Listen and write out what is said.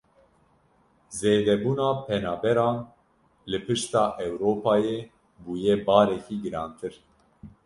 Zêdebûna penaberan li pişta Ewropayê bûye barekî girantir.